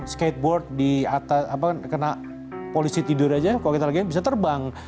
skateboard di atas kena polisi tidur aja kalau kita lagi bisa terbang